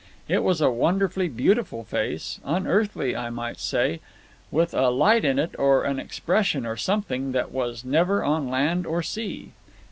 It was a wonderfully beautiful face, unearthly, I may say, with a light in it or an expression or something "that was never on land or sea."